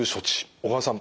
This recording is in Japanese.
小川さん